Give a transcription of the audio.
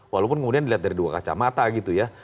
walaupun kemudian dilihat dari dua kacamata gitu ya